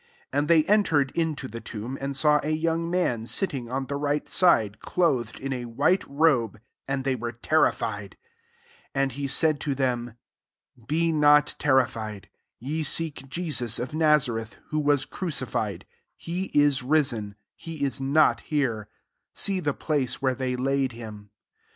5 And they entered into the tonb^ and saw a young man sit ting on the right side, clothed in a white robe ; and they were terrified. ite7 i<«i»^ tbMt^io be iBrqwacilMiMii * 6 Andke said to Oiem, ^ Be not terrified : ye seek Jesus of Nazareth, who was crucified: he is risen ; he is not here ; see the i^ce where they laid him.